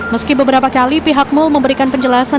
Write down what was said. meski beberapa kali pihak mal memberikan penjelasan